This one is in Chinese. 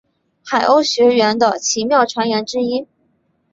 海鸥学园的奇妙传言之一。